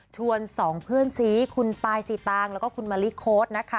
สองเพื่อนซีคุณปายสีตางแล้วก็คุณมะลิโค้ดนะคะ